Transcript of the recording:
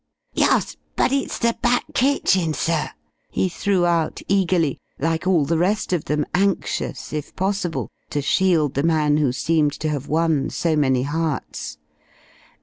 "Yus but it's the back kitchen, sir," he threw out eagerly, like all the rest of them anxious if possible to shield the man who seemed to have won so many hearts.